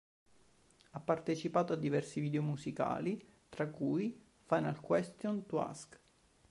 Ha partecipato a diversi video musicali tra cui "Final Question to Ask".